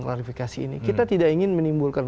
klarifikasi ini kita tidak ingin menimbulkan